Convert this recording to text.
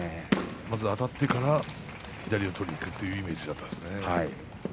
まずあたってから左を取りにいくというイメージだったですね。